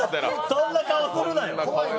そんな顔すんなよ！